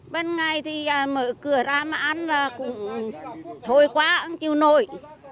bên ngay thì mở cửa ra mà ăn là cũng thôi quá không chịu nổi